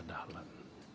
terima kasih pak